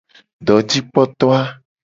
Dojikpoto a.